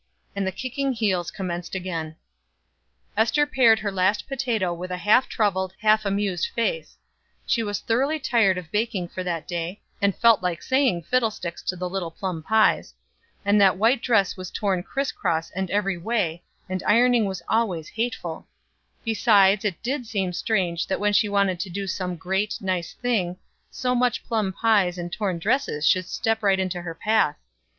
And the kicking heels commenced again. Ester pared her last potato with a half troubled, half amused face. She was thoroughly tired of baking for that day, and felt like saying fiddlesticks to the little plum pies; and that white dress was torn cris cross and every way, and ironing was always hateful; besides it did seem strange that when she wanted to do some great, nice thing, so much plum pies and torn dresses should step right into her path.